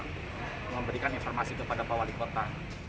kita memberikan informasi kepada kawal di kota